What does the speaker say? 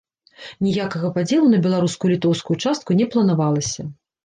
Ніякага падзелу на беларускую і літоўскую частку не планавалася.